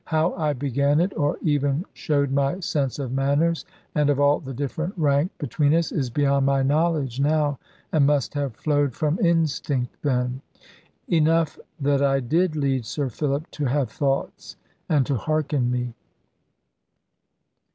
How I began it, or even showed my sense of manners, and of all the different rank between us, is beyond my knowledge now; and must have flowed from instinct then. Enough that I did lead Sir Philip to have thoughts, and to hearken me.